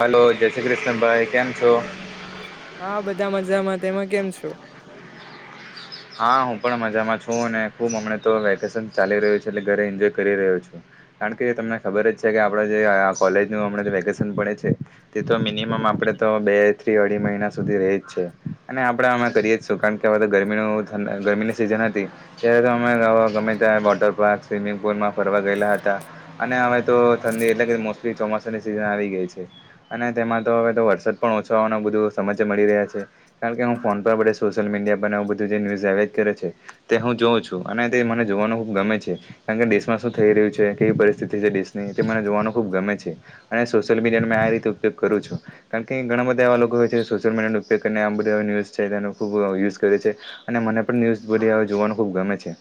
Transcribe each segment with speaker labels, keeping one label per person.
Speaker 1: Hello જય શ્રી કૃષ્ણભાઈ કેમ છો
Speaker 2: હા બધા મજામાં તેમાં કેમ છો
Speaker 1: હા હું પણ મજામાં છું અને ખુબ હમણા તો વેકેશન ચાલી રહ્યું છે એટલે ઘરે એન્જોય કરી રહ્યો છું કારણ કે તમને ખબર જ છે કે આપડ જે કોલેજનું હમણાં જે વેકેશન પડે છે તે તો મિનીમમ આપડણે તો બે થ્રી અઢી મહિના સુધી રહી જ છે અને આપડે અમા કરી એજ છું કારણ કે હવે તો ગરમીનું ગરમીની સિઝન હતી ત્યારે તો અમે ગમે ત્યાં વોટર પાર્ક સ્વિમિંગ પુલમાં ફરવા ગયેલા હતા અને હવે તો ઠંડી એટલે કે ચોમાસાની સિઝન આવી ગઈ છે અને તેમાં તો હવે ત વરસાદ પણ ઓછો હોવાનું બધું સમાચાર મળી રહ્યા છે કારણ કે હું ફોન પર સોશિયલ મીડિયા બધું જે ન્યૂઝ દવેત કરે છે તે હું જોઉં છું અને તે મને જોવાનું ખૂબ ગમે છે કારણ કે દેશમાં શું થઈ રહ્યું છે વી પરીસ્તીથી છે દેશની તે મને જોવા ખુબ ગમે છે અને સોશિયલ મીડિયાનું આ રીતે ઉપયોગ કરું છું કઈ ઘણા બધા એવા લોકો હોય છે સોશિયલ મીડિયાનું ઉપયોગ કરીને આમ બધ ન્યુઝ છેનો ખુબ યુઝ કરે છે અને મને પણ ન્યૂઝ બોરી જોવાનું ખૂબ ગમે છે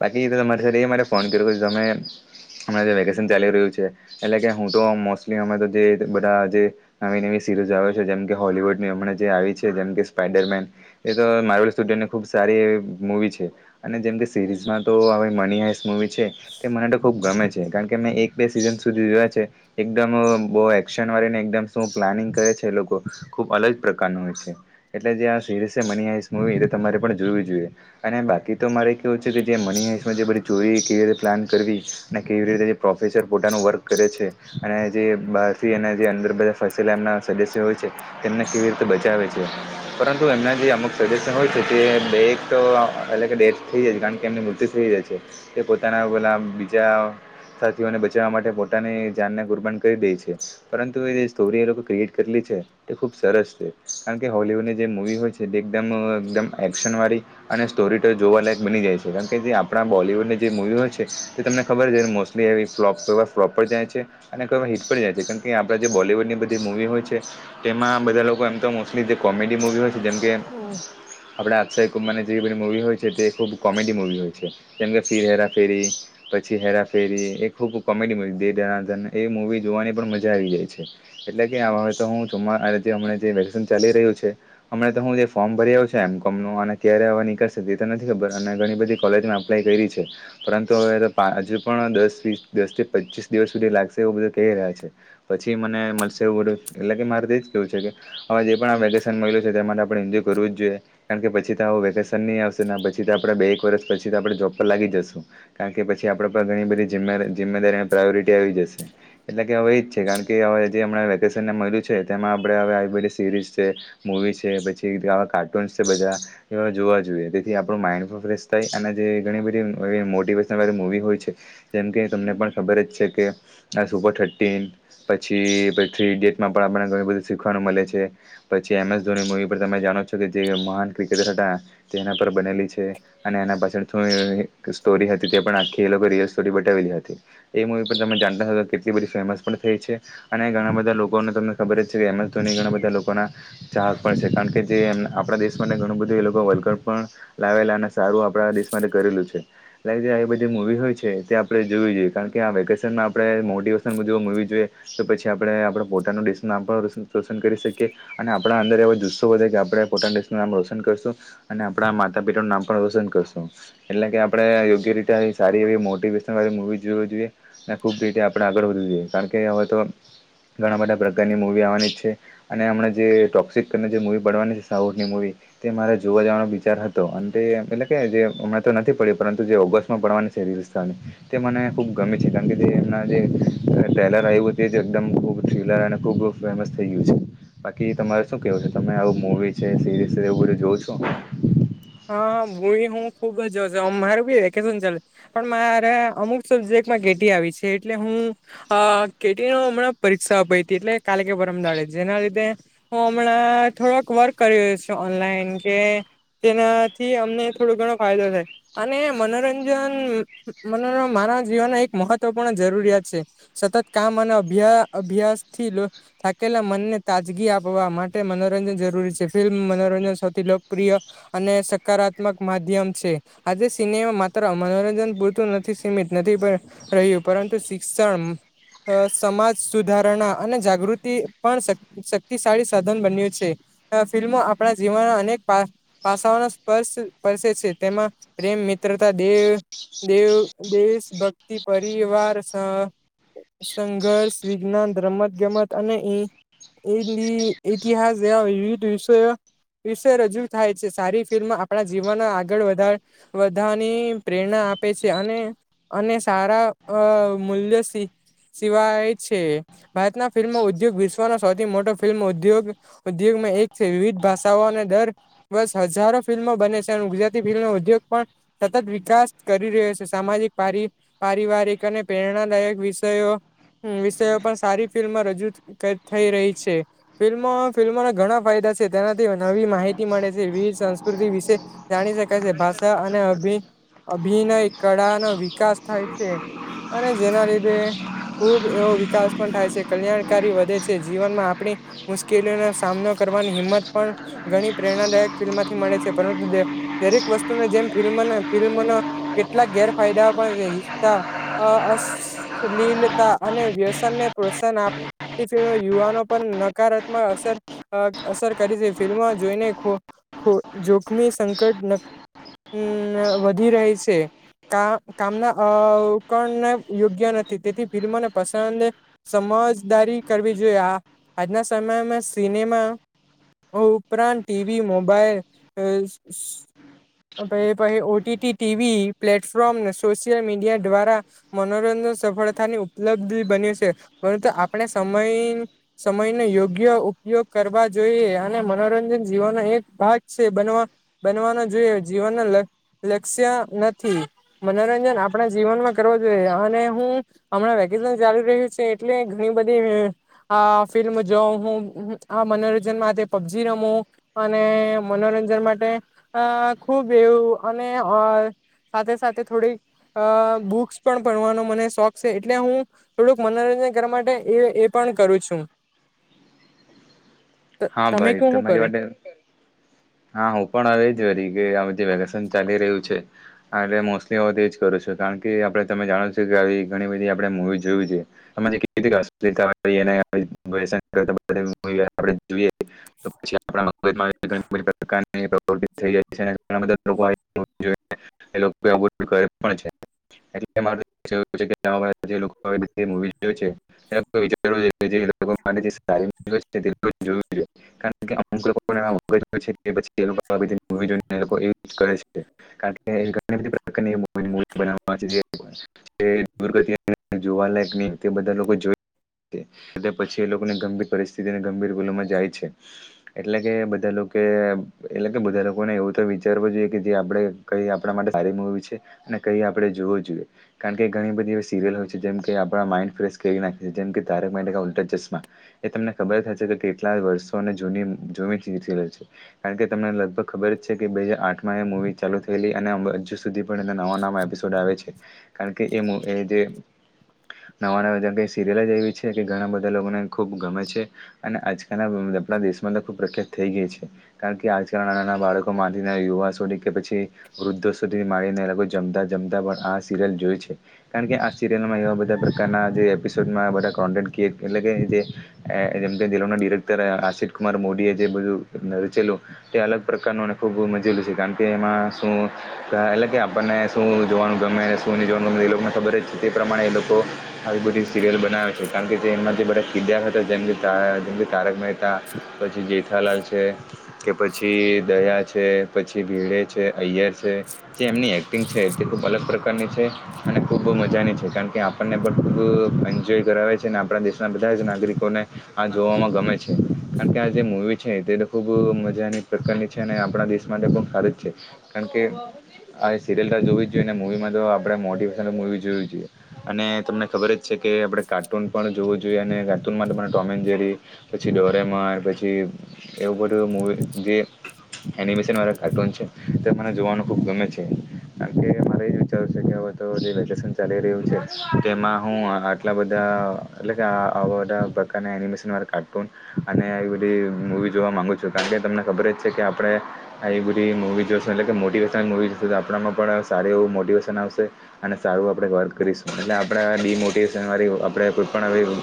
Speaker 1: બાકી તો [unintelligible] તમારી સાથે એ મારે ફોન કર્યો તમે [unintelligible] હમાર અજે વેકેશન ચાલી રહ્યું છે એટલે કે હું તો મોસ્ટલી અમે તો જે બધા જે નવી નવી સિરિસો આવે છે જેમ કે હોલીવુડ ની હમણા જે આવી છે જેમ કે સ્પાઈડરમેન એ તો માર્બલ સ્ટુડિયો ખૂબ સારી એવી મૂવી છે અને જેમ કે સિરીઝમાં તો હવે મની હઇસ મૂવી છે તે મને તો ખૂબ ગમે છે કારણ કે મે એક બે સીઝન સુધી જોયા છે એકમ બોઉ એક્શન વાળીને ને એકદમ સુ પ્લા નિંગ કરે છે એ લોકો ખૂબ અલગ પ્રકારનું હોય છે એટલે જે આ સીરીસ છે મની હાયસ્ત મૂવી તમારે પણ જોવી જોઈએ અને બાકી તો મારે કેવું છે કે જે મની હશમાં જે બધી ચોરી કેવી રીતે પ્લાન કરવી અને કેવી રીતેજે પ્રોફેસર પોતાનું વર્ક કરે છે અને જે બારથી એમના જે અંદર બધા ફસેલા એમના સદસ્ય હોય છે તેમને કેવી રીતે બચાવે છે પરંતુ એમના જે સદસ્ય હોય છે તે બે એક તો અ ડેથ [unintelligible] થઈ જાય કારણ કે એમને મૃત્યુ થઈ જાય છે તે પોતાનાલા જાઓ સાથીઓને બચાવવા માટે પોતાને જાનને કુરબાન કરી દે છે પરંતુ એ સ્ટોરી એ લોકો ક્રિએટ કરીલી છે એ ખુબ સરસ છે કારણ કે હોલવુડની જે મુવી હોય છે તે એકદમ એક્શનવાળી અને સ્ટોરી ટેલ જોવાલાયક બની જાય છે કારણ કે જે આપણા બોલવૂડની જે મૂવી હોય છે તે તમને ખબર છે મોસ્ટલી ફ્લૉપ ફ્લોપ પર જાય છે અને હિટ પર જાય છે કારણ કે આપણા જે બોલીવુડ ની બધી જે મૂવી હોય છે તેમાં બધા લોકો એમ તો મોસ્ટલી જે કોમેડી મૂવી હોય છે જેમકે
Speaker 2: હમ
Speaker 1: જેવી બધી મુવી હોય છે તે ખૂબ કોમેડી મુવી હોય છે જેમ કે ફીર હેરા ફેરી પછી હેરા હેરા ફેરી એ ખુબ કૉમેડી મૂવી થી દે દના દન એ મુવી જોવાની પણ મજા આવી જાય છે એટલે કે હ હન ચાલી રહ્યું છે અમ તો હું જે ફોર્મ ભર [unintelligible] એમ કોમનો અને ક્યારે હવા નીકળસે એ તો નથી ખબર અને ઘણી બધી કોલેજમાં અપ્લાય કરી છે પરંતુ હવે હજુ પણ દસ વસ દસ થી પચીસ દિવસ સુધી લાગશે એવું બધું કહી રહ્યા છે પછી મને મળશું એટલે કે મારે તો એ જ કેવું છે કે હવે જે પણ આ વેકેશન મળ્યું છે તે માટે આપણે એઇન્જય કરવું જ જોઈએ કારણ કે પછી તો આવું વેકેશન નહી આવશે પછી તો આપ બે એક વર્ષ પછી તો આપણે જોબ પર લાગી જશું કારણ કે પછી આપ ઘણી બધી જિમ્મેદારી અને પ્રાયોરિટી આવી જશે એટલે કે હવે એજ છે કારણ કે વશનને મળ્યું છે તેમાં આપે હ આવી બધી સીરીઝ છે મુવી છે પછી બધા એ જોવા જોઈએ તેથી આપણું માઇન્ડ ફ્રેશ થાય અને જે ઘણી બધી મોટેશ મવી હોય છે જેમ કે તમને પણ ખબર જ છે કે આ સુપર થર્ટીન પછી થ્રી ઇડિયટમાં પણ આપને ઘણી બધું શીખવાનું મળે છે પછી એમ એસ ધોની મુવી પણ તમે જાણો છો તોકે જે મહાન ક્રિકેટર હતા તે એના પર બનેલી છે અને એના પાછળ થું સ્ટોરી હતી તે પણ આી લ સ બલી હતી તમે જાણતાટલી બધ ફેમસ થઈ છે અને બધા લોકોને તમને ખબર જ છે કે એમસ ધોની ઘણા બધા લોકો ના ચાહક પણ છે કારણ કે જે આપણા દેશ માટે ઘણું બધું એ લોકો વર્લ્ડ કપ પણ લાવેલા સારું આપણા દેશ માટે કરેલું છે લાઈઇક જે એ બધી મૂવી હોય છે તે આપણે જોવી જોઈએ કારણ કે આ વેકેશનમાં આપણે મોટિવેશન બધી મૂવી જોઈએ તો પછી આપડે આપ પોતાનુંિ નામ પણ રોશન કરી શકીએ અને આપણા અંદર એવાો જુસ્સો વધારે કે આપણે પોટણ દેશનું નામ રોશન કરશું અને આપણા માતા પિતાનું નામ પણ રોશન કરશું એટલે કે આપણે યોગ્ય રીતે સારી એવી મોેશનવી જો જોઈએ અને ખૂબ રીતે આપણે આગળ વધવું જોઈએ કારણ કે તો ઘણા બધા પ્રકારની મૂવી આવવાની જ છે અને હમણાં જે ટોક્સિક જે મૂવી બનવાની છે સાઉથની મૂવી તે મારે જોવા જવાનો વિચાર હતો અને તે એટલે કે જે હમણાં તો નથી પડી્યું પરંતુ જે ઓગસ્ટમાં ભણવાની સેરી વિસ્તારની તે મને ખૂબ ગમે છે કારણ કે જે એમના જે્રેલર આવવું તે જ એકદમ ખૂબ થ્રીલર અને ખૂબ ફેમસ થઈ ગયું છે બાકી તમારે શું કેહેવું છે તમે આવું મુવી છે સિરીઝ છે એવું બધું જોઉં છો
Speaker 2: હા હ ભોઈ હું ખુબજ મારું બી વેકેશન ચાલે પણ મારા અમુક સબ્જેક્ટમાં કેટી આવી છે એટલે હું કેટી હમણાં પરીક્ષા અપાઈ હતી એટલે કાલે કે પરમ દાડે જેના લીધે હમણાં પણ થોડોક વર્ક કરી છે ઓનલાઈન કે તેનાથી અમને થોડો ઘણો ફાયદો થાય અને મનોરંજન મારા જીવન એક મહત્વપૂર્ણ જરૂરિયાત છે સતત કામ અને અભ્યાસથી થાકેલા મનને તાજગી આપવા માટે મનોરંજન જરૂરી છે ફિલ્મ મનોરંજન સૌથી લોકપ્રિય અને સકારાત્મક માધ્યમ છે આજે સિનેમા માત્ર મનોરંજન પૂરતું નથી સીમિત નથી પણ રહ્યું પરંતુ શિક્ષણ સમાજ સુધારણા અને જાગૃતિ પણ શક્તિશાળી સાધન બન્યું છે ફિલ્મો આપણા જીવનના અનેક પાસાઓનો સ્પર્શ સ્પશે છે તેમાં પ્રેમ મિત્રતા દેહ દેવ દેશ ભક્તિ પરિવાર સ સંઘર્ષ વિજ્ઞાન રમત ગમત અને ઈ એ ઇતિહાસ જેવા વિવિધ વિષય વિશે રજૂ થાય સારી ફિલ્મ આપણા જીવન આગળ વધ વધવાની પ્રેરણા આપે છે અને અને સારા અ મૂલ્યો સિવાય છે ભારતના ફિલ્મ ઉદ્યોગ વિશ્વનો સૌથી મોટો ફિલ્મ ઉધોગ એક છે વિવિધ ભાષાઓ અને દર બસ હજારો ફિલ્મો બને છે અને ગુજરાતી ફિલ્મ ન ઉદ્યોગ પણ સતત વિકાસ કરી રહ્યો છે સામાજિક પારિવારિક અને પ્રેરણાદાયક વિષયો વિષયો પણ સારી ફિલ્મ રજૂ થઈ રહી છે ફિલ્મ ફિલ્મોના ઘણા ફાયદા તેનાથી નવી માહિતી મળે વીર સંસ્કૃતિ વિશે જાણી શકાય છે ભાષા અને અભિ અભિનય કળા ન વિકાસ થાય છે અને જેના લીધે ખુબ એવો વિકાસ પણ થાય છે કલ્યાણકારી વધે છે જીવનમાં આપણી મુશ્કેલીઓનો સામનો કરવાની હિંમત પણ ઘણી પ્રેરણાદાયક ફિલ્મથી મળે છે પરંતુ દરેક વસ્તુને જેમ ફિલ્મ ફિલ્મનો કેટલાક ગેરફાયદા અશલીલતા અને વ્યસનને પ્રોત્સાહન આપ ફિલ્મો યુવાનો પર નકારાત્મક અસર અસર કરી છે ફિલ્મ જોઈને જોખમી સંકટ વધી રહી છે [unintelligible] સમજદારી કરવી જોઈએ આજના સમયમાં સિનેમા ઉપરાંત ટીવી મોબાઈલ પઈ પઈ OT TV platform social media દ્વારા મનોરંજન સફળતાની ઉપલબ્ધિ બનયુ છે પરંતુ આપણે સમય સમયને યોગ્ય ઉપયોગ કરવા જોઈએ અને મનોરંજન જીવન એક ભાગ છે બનવા બનવાના જોઈએ જીવન લક્ષ્ય નથી મનોરંજન આપણા જીવનમાં કરવું જોઈએ અને હું હમણાં વેકેશન ચાલી રહ્યું છે એટલે ઘણી બધી આ ફિલ્મ જોઉ હું આ મનોરંજન માટે પબજી રમું અને મનોરંજન માટે અ ખુબ એવું અને સાથે સાથે થોડીક બુક્સ પણ ભણવાનો મને શોખ છે એટલે હું થોડુંક મને ઘર માટે એ એ પણ કરું છું
Speaker 1: હા
Speaker 2: તમે
Speaker 1: ભાઈ
Speaker 2: કું હું
Speaker 1: તમારી
Speaker 2: કરું
Speaker 1: માટે હા હું પણ હવે જ વરી કે આ વખતે જે વેકેશન ચાલી રહ્યું છે એટલે મોસ્ટલી હું તેજ કરું છું. કે કારણ કે આપડે તમે જાણો છો કે આવી ઘણી બધી આપણે મુવી જોઈ છે કેવી [unintelligible] [unintelligible] [unintelligible] એ લોકો એવું બધું કરે પણ છે. એટલે મા [unintelligible] જે લોકો [unintelligible] [unintelligible] [unintelligible] જોવાલાયક નહી બધા લોકો જોયું. પછી એ લોકોની ગંભીર પરિસ્થિતિને ગંભીર ગુલોમાં જાય છે. એટલે કે પેલો કે એમ એટલે કે બધા લોકોને એવું તો વિચારવું જોઈએ કે જે આપડે કઈ આપણા માટે સારી મુવી છે. અને કહી આપણે જોવો જ જોઈએ કારણ કે ઘણી બધી એવી સિરિયલ હોય છે જેમ કે આપણા માઈન્ડ ફ્રેશ કરી નાખે છે. કે તારક મહેતા ઉલટા ચશમા એ તમને ખબર કે કેટલા વર્ષોની જુની કારણ કે તમને લગભગ ખબર જ છે કે, બે હાજર આઠમાં એ મુવી ચાલુ થયેલી અને હજુ સુધી પણ નવા નવા એપિસોડ આવે છે. કારણ કે એનો એ જે નવા નવા સિરિયલ જ એવી છે. કે ઘણા બધા લોકોને ખુબ ગમે છે. અને આજકાલના આપણા દેશમાં ખૂબ પ્રખ્યાત થઈ ગઈ છે. કારણ કે આજકાલના નાના નાના બાળકો માથીના યુવાસોધી કે પછી વૃદ્ધો સુધી મારી જમતા જમતિ સિરિયલ જોય છે. કારણ કે આ સિરિયલમાં એવા બધા પ્રકારનાં એપિસોડ કોન્ટેન્ટ ક્રિએટ એટલે કે જે‌ એ લોકોના ડિરેક્ટર આશિત કુમાર મોદી જે બધું રચેલું તે અલગ પ્રકારનું ખૂબ મજેલું છે કારણ કે એમાં શું એટલે કે આપણને શું જોવાનું ગમે, શું ન જોવાનું ગમે, એ લોકોને ખબર જ છે. તે પ્રમાણે એ લોકો આવી બધી સિરિયલ બનાવે છે. કારણ કે જે એમાં જે બધા કીરદાર હતા જેમ જેમ તારક મહેતા પછી જે જેઠાલાલ છે, કે પછી દયા છે, પછી ભીડે છે, ઐયર છે જેમ ની એકડિગ છે. ખૂબ અલગ પ્રકારની છે. અને ખૂબ મજાની છે. કારણ કે આપણને પણ ખૂબ એન્જોય કરાવે છે અને આપણા દેશના બધા જ નાગરિકોને આ જોવામાં ગમે છે કારણ કે આ જે મૂવી છે, તે તો ખૂબ મજાની પ્રકારની છે. અને આપણા દેશમાં તે પણ સારી જ છે કારણ કે આ એ સિરિયલ તો જોવી જ જોઈએ અને મુવીમાં તો આપણે મોટિવેશનલ મુવી જોવી જોઈએ. અને તમને ખબર જ છે કે કે આપણે કાર્ટૂન પણ જોવું જોઈએ. અને કાર્ટૂન માટે મને ટોમે એન્ડ જેરી પછી ડોરેમોર પછી એ બઘું મુવી જે એનિમેશન વાળા કાર્ટૂન છે તે મને જોવાનું ખુબ ગમે છે. કારણ કે મારે એ વિચાર છે કે હવે વેકેશન ચાલી રહ્યું છે તેમાં હું આટલા બધા આ એટલે કે આવા બધા પ્રકારના એનિમેશન વાળ કાર્ટૂન અને એ બધી મૂવી જોવા માગુ છું કારણ કે તમને ખબર જ છે કે આપણે આવી એ બધી મૂવી જોઈશું એટલે કે મોટિવેશનલ મૂવીઝ આપણામાં પણ સારું એવું મોટિવેશન આવશે. અને સારું આપણે વર્ક કરીશું. એટલે આપણે ડીમોટિવેશન વારી આપણે કોઈ પણ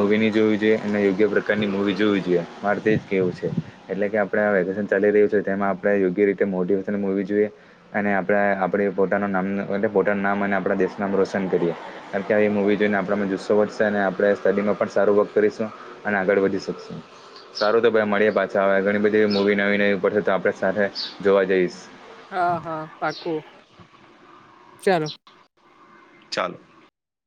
Speaker 1: મૂવી ન જોવી જોઈએ. અને યોગ્ય પ્રકારની મૂવી જોવી જોઈએ. મારતે જ કેવું છે. એટલે કે આપણે આ વેકેશન ચાલી રહ્યું છે તેમાં આપણે યોગ્ય રીતે મોટિવેશન હોવી જોઈએ. અને આપ આપ પોતાનું નામ એ પોતાનું નામ આપણા દેશ નામ રોશન કરીએ. મુવી જોઈને આપણામાં જુસ્સો વધશે અને આપણે સ્ટડી માં પણ સારું વર્ક કરીશું અને આગળ વધી શકશું. સારું તો ભાઈ મળીએ પાછા આવે ઘણી બધી મુવી નવી નવી પડશે તો આપડણે સાથે જોવા જઈશ.
Speaker 2: હા હા પાકું ચાલો.
Speaker 1: ચાલ.